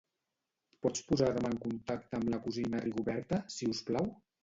Pots posar-me en contacte amb la cosina Rigoberta, si us plau?